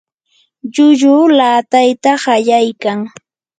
llulluu laatayta qallaykan.